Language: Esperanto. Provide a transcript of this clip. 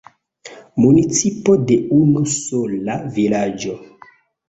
Municipo de unu sola vilaĝo.